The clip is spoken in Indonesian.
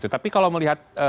tapi kalau melihat